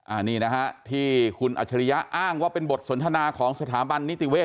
อันนี้นะฮะที่คุณอัจฉริยะอ้างว่าเป็นบทสนทนาของสถาบันนิติเวศ